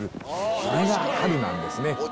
これが「春」なんですね。